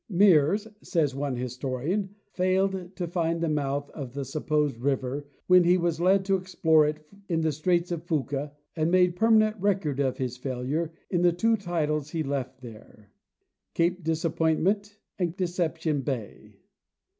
" Mears," says one historian, '" failed to find the mouth of the supposed river when 246 John H. Mitchell— Oregon he was led to explore for it in the straits of Fuca, and made permanent record of his failure in the two titles he left there— cape Disappointment and Deception bay."